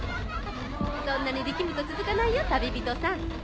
そんなに力むと続かないよ旅人さん。